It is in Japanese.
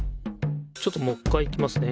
ちょっともう一回いきますね。